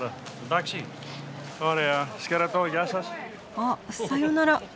あっさようなら。